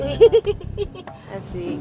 asik thank you mami